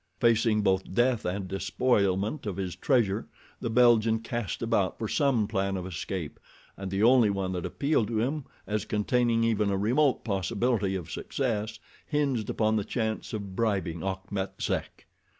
Facing both death and despoilment of his treasure, the Belgian cast about for some plan of escape, and the only one that appealed to him as containing even a remote possibility of success hinged upon the chance of bribing Achmet Zek.